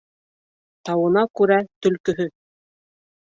Тауына күрә төлкөһө